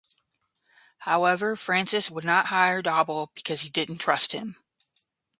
However, Francis would not hire Doble because he didn't trust him.